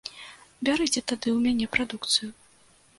Бярыце тады ў мяне прадукцыю.